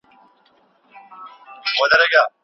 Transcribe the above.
د ټینګو اړیکو لرل د ټولنې د ثبات لامل کیږي.